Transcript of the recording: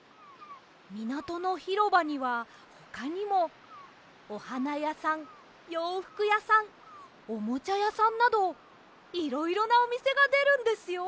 みなとのひろばにはほかにもおはなやさんようふくやさんおもちゃやさんなどいろいろなおみせがでるんですよ。